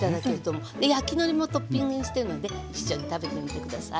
焼きのりもトッピングしてるので一緒に食べてみて下さい。